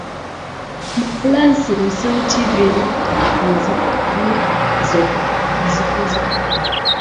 Məpplansəm tive napprahan zəmə vis amizeb sine sime.